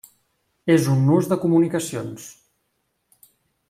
És un nus de comunicacions.